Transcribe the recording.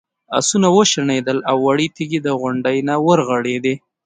آسونه وشڼېدل او وړې تیږې د غونډۍ نه ورغړېدې.